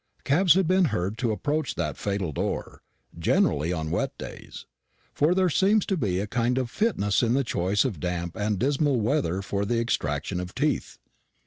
Cabs had been heard to approach that fatal door generally on wet days; for there seems to be a kind of fitness in the choice of damp and dismal weather for the extraction of teeth.